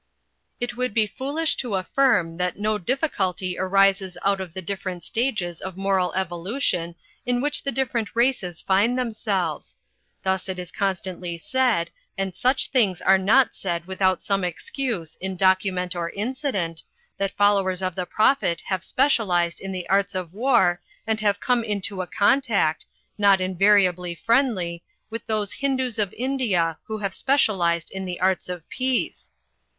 "It would be foolish to affirm that no difficulty arises out of the different stages of moral evolution in which the different races find themselves. Thus it is constantly said, and such things are not said with out some excuse in document or incident, that fol lowers of the Prophet have specialised in the arts of war and have come into a contact, not invariably friendly, with those Hindoos of India who have specialised in the arts of Peace.